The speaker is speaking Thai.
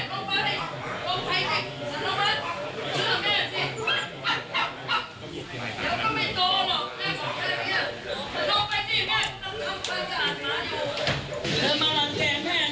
แม่มีงานยุ่งมากมายใกล้กร